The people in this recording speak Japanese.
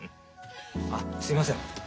あすいません。